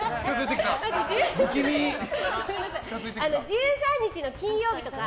１３日の金曜日か。